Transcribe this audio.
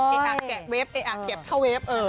เอะอะแกะเว๊บเอะอะแกะข้าวเว๊บ